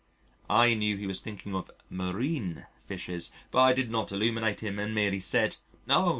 I knew he was thinking of marine fishes, but I did not illumine him, and merely said: "Oh!